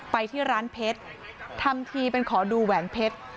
ไปที่ร้านเพชรทำทีเป็นขอดูแหวนเพชร